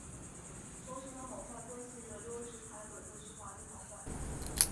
轴承的好坏关系着溜直排轮的续滑力好坏。